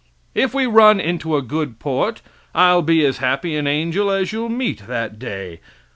If we run into a good port, I'll be as happy an angel as you'll meet that day.